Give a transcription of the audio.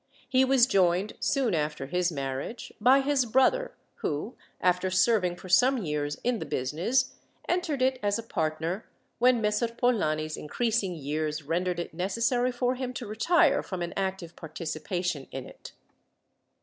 He was joined, soon after his marriage, by his brother, who, after serving for some years in the business, entered it as a partner, when Messer Polani's increasing years rendered it necessary for him to retire from an active participation in it.